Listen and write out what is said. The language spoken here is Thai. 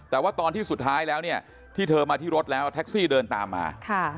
แต่ว่าตอนที่สุดท้ายแล้วเนี่ยที่เธอมาที่รถแล้วแท็กซี่เดินตามมา